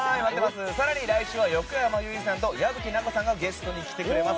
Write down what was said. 来週は横山由依さんと矢吹奈子さんがゲストに来てくれます。